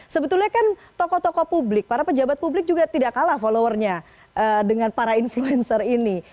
sebetulnya kan tokoh tokoh publik para pejabat publik juga tidak kalah followernya dengan para influencer ini